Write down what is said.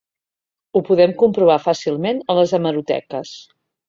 Ho podem comprovar fàcilment a les hemeroteques.